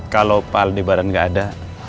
kalau pak aldebaran gak ada